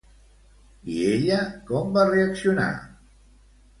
I ella com va reaccionar?